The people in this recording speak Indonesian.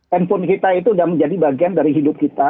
handphone kita itu sudah menjadi bagian dari hidup kita